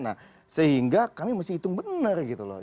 nah sehingga kami mesti hitung benar gitu loh